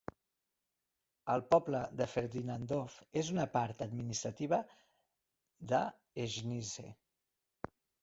El poble de Ferdinandov és una part administrativa de Hejnice.